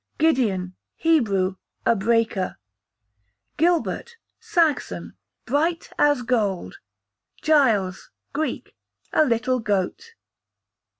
Gideon, Hebrew, a breaker. Gilbert, Saxon, bright as gold. Giles, Greek, a little goat.